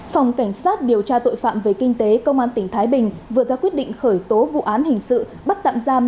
phòng cảnh sát điều tra tội phạm về kinh tế công an tỉnh thái bình vừa ra quyết định khởi tố vụ án hình sự bắt tạm giam